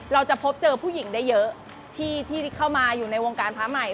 เราจะพบเจอผู้หญิงได้เยอะที่เข้ามาอยู่ในวงการพระใหม่